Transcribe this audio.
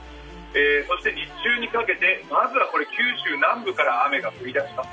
そして日中にかけてまずは九州南部から雨が降り出します。